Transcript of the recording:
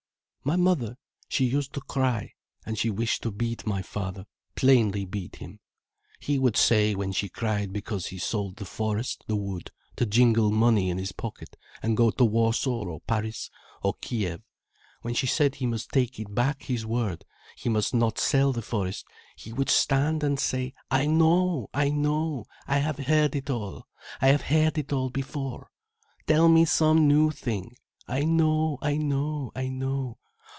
"My mother, she used to cry, and she wished to beat my father, plainly beat him. He would say, when she cried because he sold the forest, the wood, to jingle money in his pocket, and go to Warsaw or Paris or Kiev, when she said he must take back his word, he must not sell the forest, he would stand and say, 'I know, I know, I have heard it all, I have heard it all before. Tell me some new thing. I know, I know, I know.